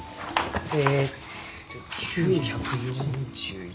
えっと９４１。